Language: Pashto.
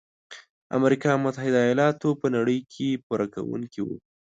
امریکا متحد ایلاتو په نړۍ کې پوره کوونکي وو.